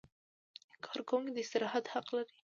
کارکوونکی د استراحت حق لري.